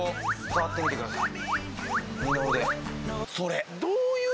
触ってみてください